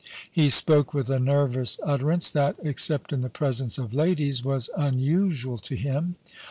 He spoke with a nervous utterance that, except in the presence of ladies, was unusual to him.